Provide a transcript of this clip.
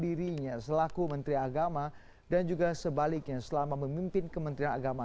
hal itu akan diterapkan juga dalam kementerian agama